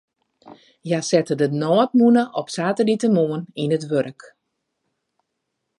Hja sette de nôtmûne op saterdeitemoarn yn it wurk.